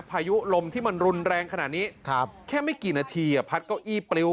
พายุลมที่มันรุนแรงขนาดนี้แค่ไม่กี่นาทีพัดเก้าอี้ปริ้ว